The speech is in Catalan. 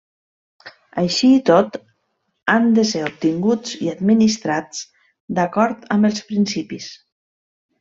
Així i tot, han de ser obtinguts i administrats d'acord amb els principis.